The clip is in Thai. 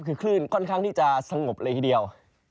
คือคลื่นค่อนข้างที่จะสงบเลยทีเดียว